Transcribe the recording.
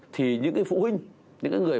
thì những cái phụ huynh những cái người